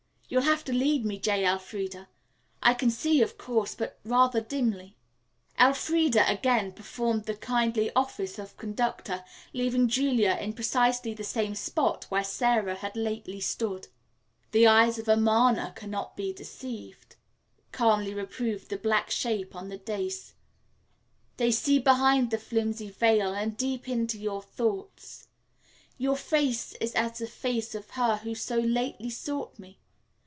You'll have to lead me, J. Elfreda Briggs. I can see, of course; but rather dimly." Elfreda again performed the kindly office of conductor, leaving Julia in precisely the same spot where Sara had lately stood. "The eyes of Amarna cannot be deceived," calmly reproved the black shape on the dais. "They see behind the flimsy veil and deep into your thoughts. Your face is as the face of her who so lately sought me.